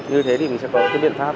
như thế thì mình sẽ có cái biện pháp